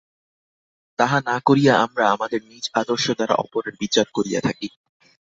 তাহা না করিয়া আমরা আমাদের নিজ আদর্শ দ্বারা অপরের বিচার করিয়া থাকি।